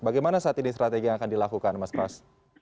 bagaimana saat ini strategi yang akan dilakukan mas pras